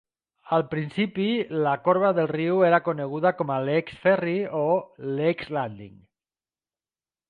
Al principi, la corba del riu era coneguda com a Lake's Ferry o Lake's Landing.